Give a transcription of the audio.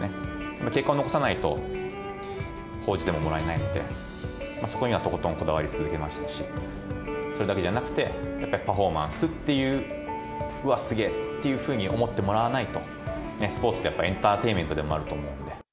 結果を残さないと、報じてももらえないんで、そこにはとことんこだわり続けましたし、それだけじゃなくて、やっぱりパフォーマンスっていう、うわっ、すげぇと思ってもらわないと、スポーツってやっぱエンターテインメントだと思うので。